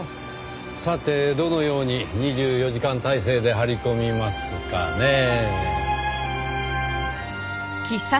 さてどのように２４時間態勢で張り込みますかねぇ。